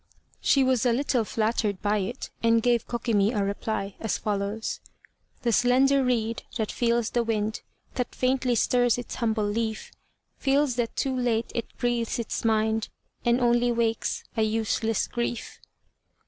She was a little flattered by it, and gave Kokimi a reply, as follows: "The slender reed that feels the wind That faintly stirs its humble leaf, Feels that too late it breathes its mind, And only wakes, a useless grief."